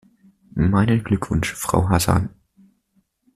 Meinen Glückwunsch, Frau Hazan!